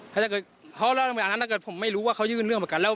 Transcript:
ถ้าเกิดเขาแล้วเวลานั้นถ้าเกิดผมไม่รู้ว่าเขายื่นเรื่องประกันแล้ว